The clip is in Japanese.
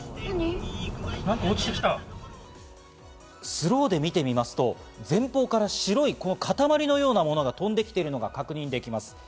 スローで見てみますと、前方から白い塊のようなものが飛んで来ているのが確認できます。